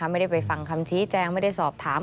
ไปฟังคำชี้แจงไม่ได้สอบถาม